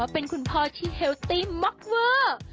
เป็นคุณพ่อที่เฮลตี้ม็อกเวอร์